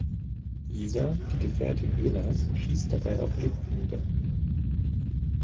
Isa, die Gefährtin Elas, schießt dabei auch Lith nieder.